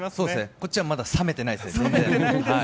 こっちはまだ冷めてないですね。